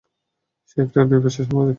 সে একটা দুই পয়সার সাংবাদিক।